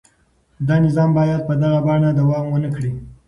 دا نظام باید په دغه بڼه دوام ونه کړي.